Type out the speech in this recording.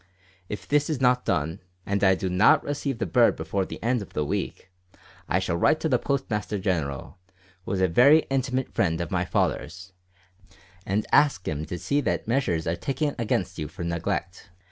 If this is not done, and I do not receive the bird before the end of the week, I shall write to the Postmaster General, who is a very intimate friend of my father's, and ask him to see that measures are taken against you for neglect.